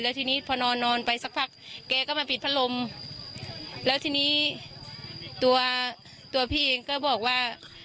ทีนี้พอนอนนอนไปสักพักแกก็มาปิดพัดลมแล้วทีนี้ตัวตัวพี่เองก็บอกว่า